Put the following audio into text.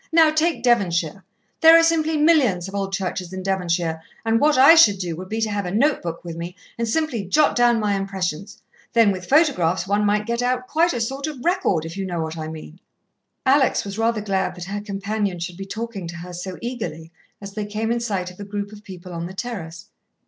Now take Devonshire. There are simply millions of old churches in Devonshire, and what I should do, would be to have a note book with me, and simply jot down my impressions. Then with photographs one might get out quite a sort of record, if you know what I mean " Alex was rather glad that her companion should be talking to her so eagerly as they came in sight of a group of people on the terrace.